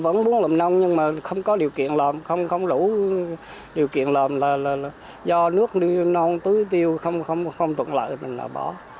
vẫn muốn lộn nông nhưng mà không có điều kiện lộn không đủ điều kiện lộn là do nước lộn tưới tiêu không tượng lợi thì mình bỏ